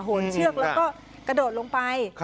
เชือกแล้วก็กระโดดลงไป